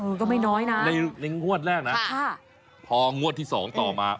ก็ไม่น้อยนะในในงวดแรกนะค่ะพองวดที่สองต่อมา